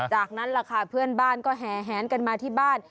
จากนั้นล่ะค่ะเพื่อนบ้านก็แห่แหนกันมาที่บ้าน